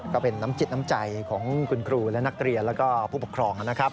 ก็เป็นน้ำจิตน้ำใจของคุณครูและนักเรียนแล้วก็ผู้ปกครองนะครับ